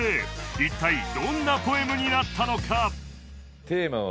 一体どんなポエムになったのか？